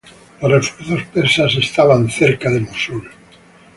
Los refuerzos persas estaban cerca de Mosul.